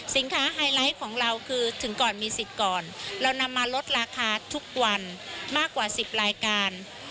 ไฮไลท์ของเราคือถึงก่อนมีสิทธิ์ก่อนเรานำมาลดราคาทุกวันมากกว่า๑๐รายการ